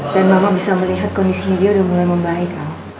dan mama bisa melihat kondisi dia udah mulai membaik